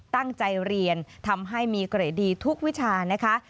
ตั้งใจเรียนทำให้มีเกรดดีทุกวิชานะคะ